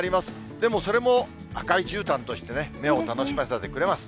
でもそれも、赤いじゅうたんとしてね、目を楽しませてくれます。